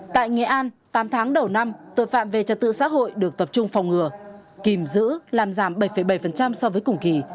tại nghệ an tám tháng đầu năm tội phạm về trật tự xã hội được tập trung phòng ngừa kìm giữ làm giảm bảy bảy so với cùng kỳ